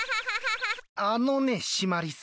あのねシマリス。